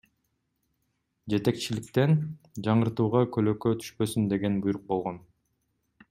Жетекчиликтен жаңыртууга көлөкө түшпөсүн деген буйрук болгон.